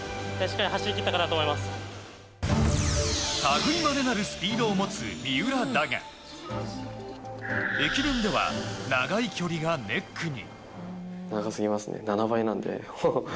類いまれなるスピードを持つ三浦だが駅伝では、長い距離がネックに。